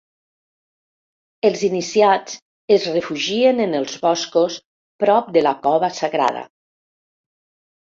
Els iniciats es refugien en els boscos prop de la cova sagrada.